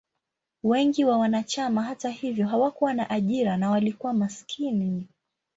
Wengi wa wanachama, hata hivyo, hawakuwa na ajira na walikuwa maskini.